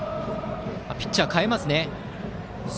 ピッチャーを代えますね。